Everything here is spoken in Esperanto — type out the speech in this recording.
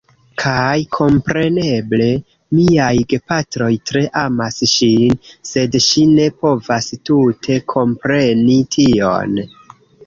Kaj kompreneble, miaj gepatroj tre amas ŝin, sed ŝi ne povas tute kompreni tion